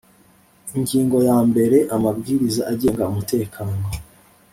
Ingingo ya mbere Amabwiriza agenga umutekano